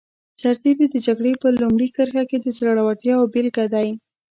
سرتېری د جګړې په لومړي کرښه کې د زړورتیا یوه بېلګه دی.